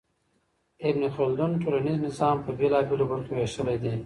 ابن خلدون ټولنيز نظام په بېلابېلو برخو وېشلی دی.